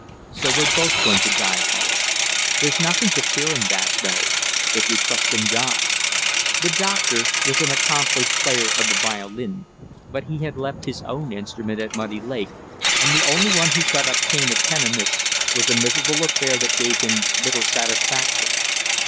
So were both going to die, Wallace. There's nothing to fear in that, though, if you trust in God." The doctor was an accomplished player of the violin, but he had left his own instrument at Muddy Lake, and the only one he could obtain at Kenemish was a miserable affair that gave him little satisfaction.